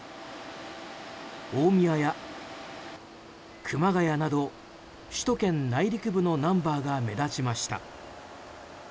大宮や熊谷など首都圏内陸部のナンバーが目立ちました。